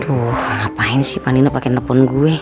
aduh ngapain sih panino pake telepon gue